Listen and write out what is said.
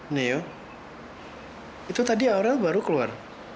ini itu tadi aurel baru keluar